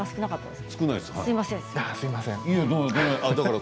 すみません。